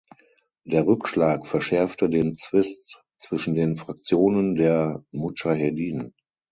Der Rückschlag verschärfte den Zwist zwischen den Fraktionen der Mudschaheddin.